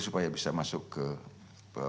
supaya bisa masuk ke